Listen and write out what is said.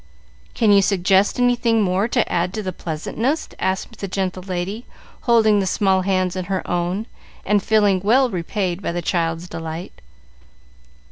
"Can you suggest anything more to add to the pleasantness?" asked the gentle lady, holding the small hands in her own, and feeling well repaid by the child's delight.